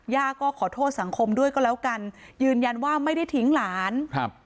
ย่าก็ขอโทษสังคมด้วยก็แล้วกันยืนยันว่าไม่ได้ทิ้งหลานครับ